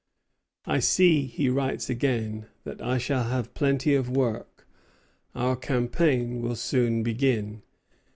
"I see," he writes again, "that I shall have plenty of work. Our campaign will soon begin.